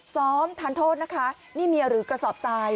ซ้อมทานโทษนะคะนี่เมียหรือกระสอบทราย